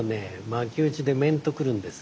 巻き打ちで面と来るんです。